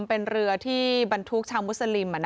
เป็นเรือที่บรรทุกชาวมุสลิม